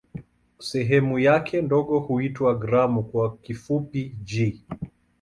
Sehemu yake ndogo huitwa "gramu" kwa kifupi "g".